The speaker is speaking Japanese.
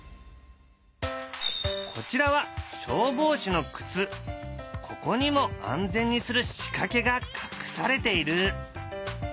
こちらはここにも安全にする仕掛けが隠されている。